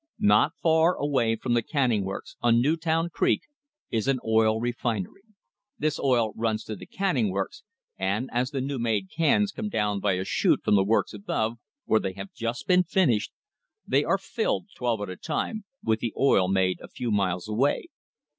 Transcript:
Not far away from the canning works, on Newtown Creek, is an oil re finery. This oil runs to the canning works, and, as the new made cans come down by a chute from the works above, where they have just been finished, they are filled, twelve at a time, with the oil made a few miles away.